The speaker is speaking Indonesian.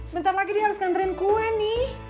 bentar lagi dia harus ngantriin kue nih